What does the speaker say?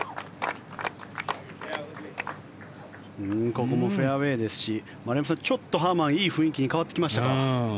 ここもフェアウェーですし丸山さん、ちょっとハーマンいい雰囲気に変わってきましたか。